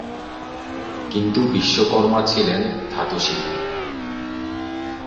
কিন্তু বিশ্বকর্মা ছিলেন ধাতুশিল্পী।